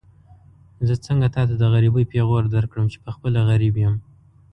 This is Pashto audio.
زه څنګه تاته د غريبۍ پېغور درکړم چې پخپله غريب يم.